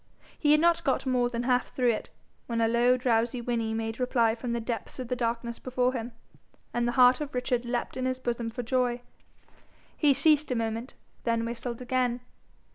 He had not got more than half through it, when a low drowsy whinny made reply from the depths of the darkness before him, and the heart of Richard leaped in his bosom for joy. He ceased a moment, then whistled again.